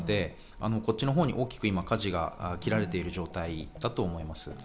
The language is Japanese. こっちのほうに今、大きく舵が切られている状態だと思います。